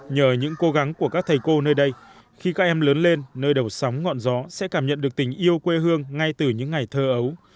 nhờ những cố gắng của các thầy cô nơi đây khi các em lớn lên nơi đầu sóng ngọn gió sẽ cảm nhận được tình yêu quê hương ngay từ những ngày thơ ấu